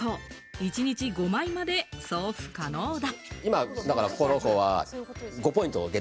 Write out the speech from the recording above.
一日５枚まで送付可能だ。